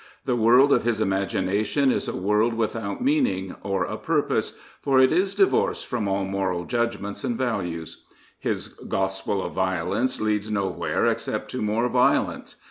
The world of his imagination is a world without a meaning or a purpose, for it is divorced from all moral judgments and values. His gospel of violence leads nowhere except to more violence.